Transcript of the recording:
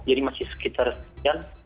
jadi masih sekitar sekitar